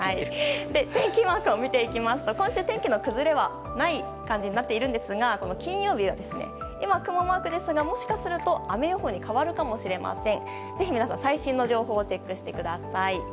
天気マークを見ていきますと今週天気の崩れはない予報になっているんですが金曜日は今、雲マークですがもしかすると雨予報に変わるかもしれないです。